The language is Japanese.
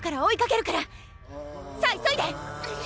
さあ急いで！